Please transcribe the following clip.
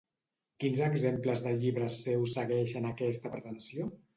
Quins exemples de llibres seus segueixen aquesta pretensió?